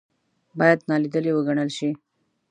باید نا لیدلې وګڼل شي.